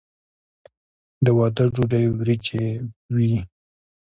د واده ډوډۍ وریجې وي.